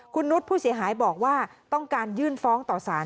คุณนุษย์ผู้เสียหายบอกว่าต้องการยื่นฟ้องต่อสาร